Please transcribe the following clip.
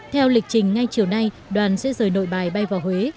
theo lịch trình ngay chiều nay đoàn sẽ rời nội bài bay vào huế